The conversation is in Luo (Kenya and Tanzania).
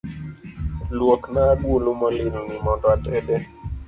Luokna agulu molil ni mondo atede